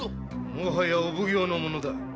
もはやお奉行のものだ。